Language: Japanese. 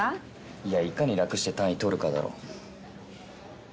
いやいかに楽して単位取るかだろ。